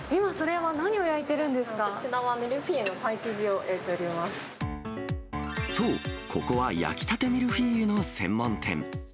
今、こちらはミルフィーユのパイそう、ここは焼きたてミルフィーユの専門店。